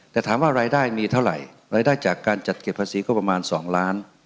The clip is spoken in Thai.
แต่ถามว่ารายได้มีเท่าไหร่รายได้จากการจัดเก็บภาษีก็ประมาณ๒ล้าน